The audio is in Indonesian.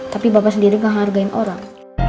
tapi bapak sendiri gak hargai orang